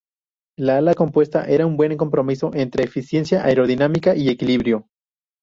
La ala compuesta era un buen compromiso entre eficiencia aerodinámica y equilibrio.